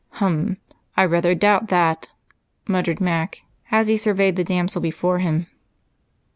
"Hum! I rather doubt that," muttered Mac as he surveyed the damsel before him.